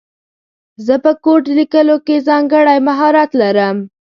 زه په کوډ لیکلو کې ځانګړی مهارت لرم